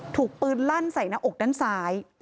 ถูกปืนลั่นใส่หน้าอกด้านซ้าย